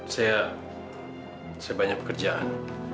saya saya banyak pekerjaan